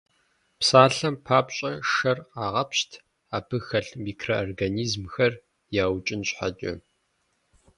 Псалъэм папщӀэ, шэр къагъэпщт, абы хэлъ микроорганизмхэр яукӀын щхьэкӀэ.